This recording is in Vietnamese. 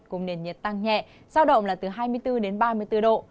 cùng nền nhiệt tăng nhẹ giao động là từ hai mươi bốn đến ba mươi bốn độ